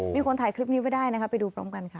มีคนถ่ายคลิปนี้ไว้ได้นะคะไปดูพร้อมกันค่ะ